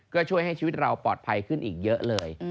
ก็ช่วยให้ชีวิตเราปลอดภัยขึ้นอีกเยอะเลย